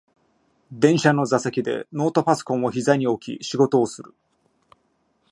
電車の座席でノートパソコンをひざに置き仕事をする